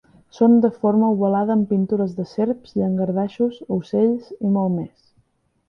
Són de forma ovalada amb pintures de serps, llangardaixos, ocells i molt més.